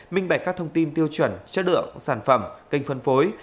minh bạch các thông tin tiêu chuẩn chất lượng sản phẩm kênh phân phối